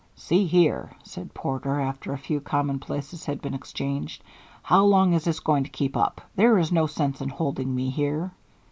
"See here," said Porter, after a few commonplaces had been exchanged, "how long is this going to keep up? There is no sense in holding me here."